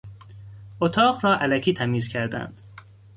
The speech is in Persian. اتاق را الکی تمیز کردند.